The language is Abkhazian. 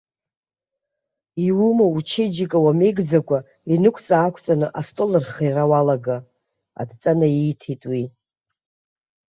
Иумоу учеиџьыка уамеигӡакәа инықәҵааақәҵаны астол архиара уалага, адҵа наииҭеит уи.